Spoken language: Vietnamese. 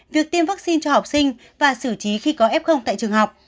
việc tiêm vaccine cho học sinh và xử trí khi có f tại trường học